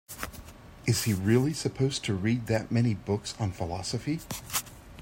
Is he really supposed to read that many books on philosophy?